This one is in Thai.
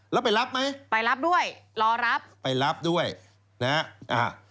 แล้วไปรับไหมไปรับด้วยรอรับไปรับด้วยนะฮะอ่า